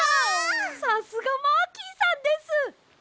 さすがマーキーさんです！